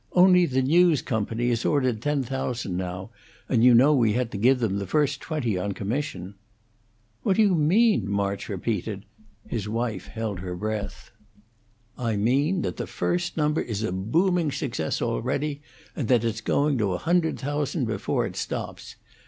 Only, the 'News Company' has ordered ten thousand now; and you know we had to give them the first twenty on commission." "What do you mean?" March repeated; his wife held her breath. "I mean that the first number is a booming success already, and that it's going to a hundred thousand before it stops.